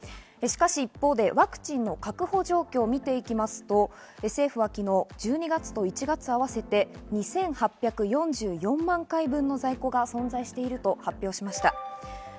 しかし一方でワクチンの確保状況を見ていきますと、政府は昨日１２月と１月合わせて、２８４４万回分の在庫が存在していると発表しました。